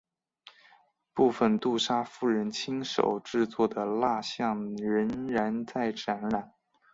部分杜莎夫人亲手制作的蜡象仍然在展览。